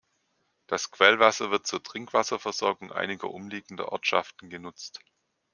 Das Quellwasser wird zur Trinkwasserversorgung einiger umliegender Ortschaften genutzt.